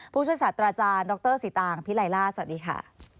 ผู้ช่วยศาสตราจารย์ดรสีตางพิไลล่าสวัสดีค่ะ